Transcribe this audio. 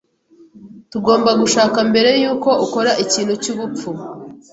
Tugomba gushaka mbere yuko akora ikintu cyubupfu.